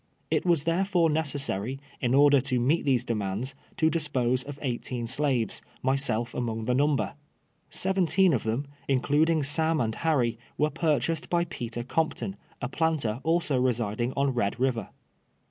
It was therefore necessary, in order to meet these demands, to dispose of eighteen slaves, myself among the number. Seventeen of them, including Sam and Harry, ^^ ere purchased by Peter Comptonj a planter also residing on Red River.